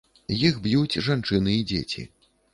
Іх б'юць жанчыны і дзеці.